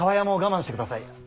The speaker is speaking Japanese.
厠も我慢してください。